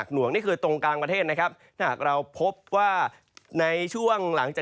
ตกต่อนื่องไปถึงช่วงมากเลย